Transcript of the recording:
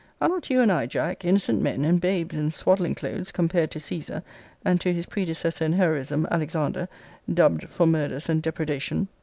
Are not you and I, Jack, innocent men, and babes in swaddling clothes, compared to Caesar, and to his predecessor in heroism, Alexander, dubbed, for murders and depredation, Magnus?